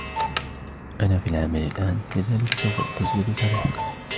أنا في العمل الأن, لذلك سوف أتصل بكِ لاحقاً.